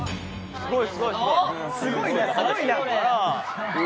すごい！